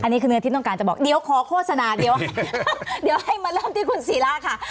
อันนี้คือเนื้อที่ต้องการจะบอกเดี๋ยวขอโฆษณาเดี๋ยวให้มาเริ่มที่คุณศิราค่ะ